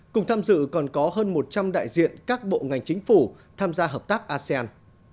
cùng tham dự còn có hơn một trăm linh đại diện các bộ ngành chính phủ tham gia hợp tác asean